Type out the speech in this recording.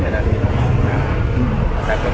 dan ada yang tidak paham